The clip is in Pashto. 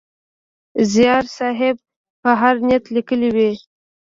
زیار صېب په هر نیت لیکلی وي.